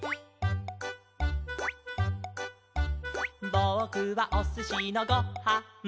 「ぼくはおすしのご・は・ん」